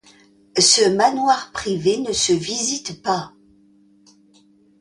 Ce manoir privé ne se visite pas.